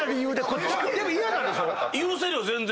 許せるよ全然。